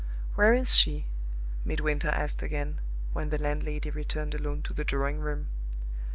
"Where is she?" Midwinter asked again, when the landlady returned alone to the drawing room.